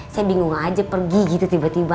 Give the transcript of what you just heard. saya bingung aja pergi gitu tiba tiba